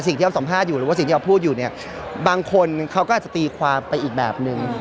ที่เราสัมภาษณ์อยู่หรือว่าสิ่งที่ออฟพูดอยู่เนี่ยบางคนเขาก็อาจจะตีความไปอีกแบบนึง